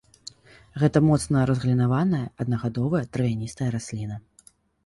Гэта моцна разгалінаваная, аднагадовая травяністая расліна.